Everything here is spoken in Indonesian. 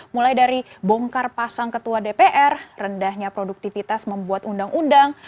mulai dari bongkar pasang ketua dpr rendahnya produktivitas membuat undang undang